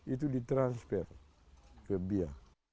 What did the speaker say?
itu ditransfer ke bia